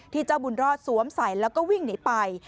เจ้าบุญรอดสวมใส่แล้วก็วิ่งหนีไป